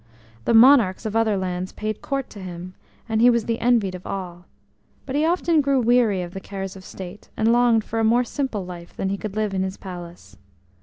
The monarchs of other lands paid court to him, and he was the envied of all; but he often grew weary of the cares of State, and longed for a more simple life than he could live in his palace.